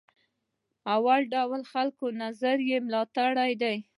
اول ډول خلک د نظریې ملاتړ دي.